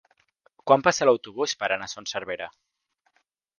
Quan passa l'autobús per Son Servera?